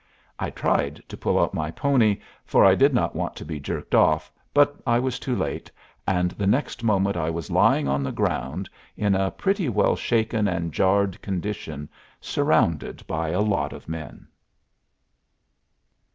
I tried to pull up my pony, for I did not want to be jerked off, but I was too late, and the next moment I was lying on the ground in a pretty well shaken and jarred condition, surrounded by a lot of men.